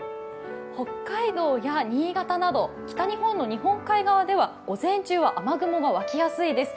北海道や新潟など北日本の日本海側では午前中は雨雲が湧きやすいです。